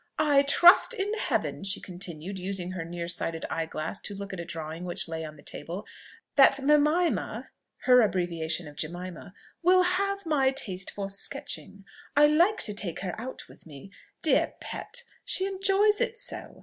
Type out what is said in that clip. "I trust in Heaven," she continued, using her near sighted eye glass to look at a drawing which lay on the table, "that Mimima" (her abbreviation of Jemima) "will have my taste for sketching I like to take her out with me, dear pet, she enjoys it so!